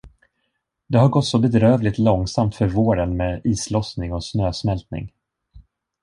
Det har gått så bedrövligt långsamt för våren med islossning och snösmältning.